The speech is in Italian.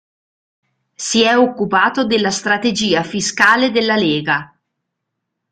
Si è occupato della strategia fiscale della Lega.